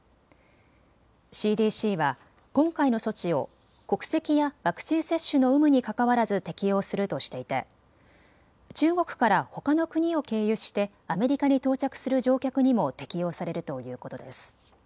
ＣＤＣは今回の措置を国籍やワクチン接種の有無にかかわらず適用するとしていて中国からほかの国を経由してアメリカに到着する乗客にも適用されるということです。